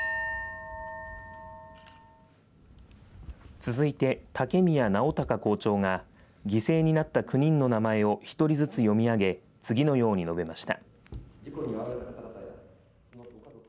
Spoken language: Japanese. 続いて竹宮直孝校長が犠牲になった９人の名前を１人ずつ読み上げ次のように述べました。